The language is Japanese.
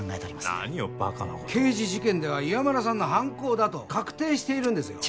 何をバカなことを刑事事件では岩村さんの犯行だと確定しているんですよ